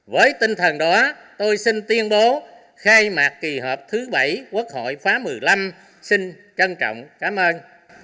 với tinh thần đó tôi xin tuyên bố khai mạc kỳ họp thứ bảy quốc hội khóa một mươi năm xin trân trọng cảm ơn